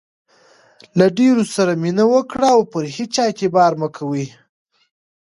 له ډېرو سره مینه وکړئ، او پر هيچا اعتبار مه کوئ!